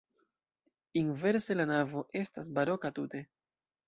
Inverse, la navo estas baroka tute.